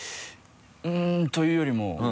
うんというよりも。